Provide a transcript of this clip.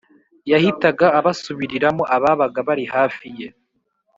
yahitaga abisubiriramo ababaga bari hafi ye.